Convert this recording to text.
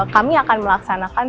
kami akan melaksanakan